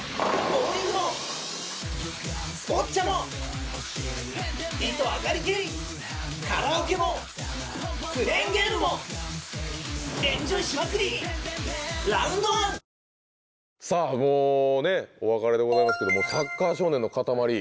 もうねお別れでございますけどもサッカー少年のかたまり。